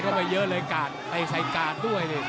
โดนเข้าไปเยอะเลยกาดไปใส่กาดด้วย